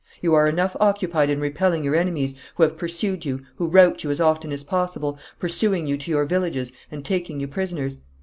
You are enough occupied in repelling your enemies, who have pursued you, who rout you as often as possible, pursuing you to your villages and taking you prisoners.